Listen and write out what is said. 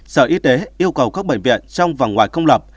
sở y tế yêu cầu các bệnh viện trong và ngoài công lập